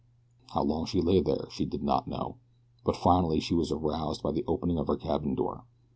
How long she lay there she did not know, but finally she was aroused by the opening of her cabin door.